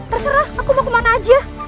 terserah aku mau kemana aja